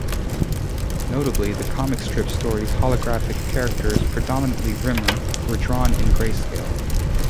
Notably, the comic strip stories' holographic characters, predominately Rimmer, were drawn in greyscale.